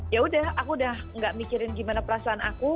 yaudah aku udah gak mikirin gimana perasaan aku